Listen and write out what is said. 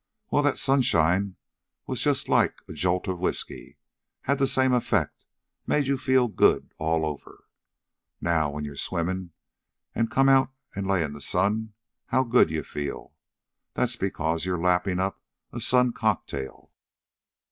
Well, that sunshine was just like a jolt of whiskey. Had the same effect. Made you feel good all over. Now, when you're swimmin', an' come out an' lay in the sun, how good you feel. That's because you're lappin' up a sun cocktail.